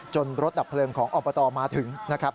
รถดับเพลิงของอบตมาถึงนะครับ